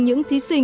những thí sinh